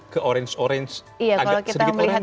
ke orange orange iya kalau kita melihat